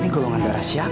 golongan darah siapa yang b